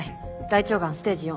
大腸がんステージⅣ。